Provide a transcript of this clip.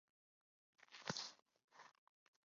也发现一些问题